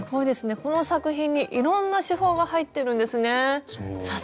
この作品にいろんな手法が入ってるんですね。